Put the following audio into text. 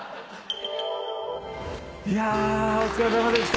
いやお疲れさまでした。